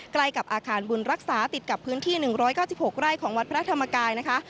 ใกล้กับอาคารบุญรักษาติดกับพื้นที่๑๙๖ไร่ของวัดพระธรรมกายนะคะ